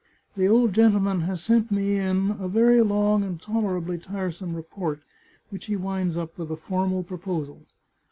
The old gentleman has sent me in a very long and tolerably tiresome report, which he winds up with a formal proposal.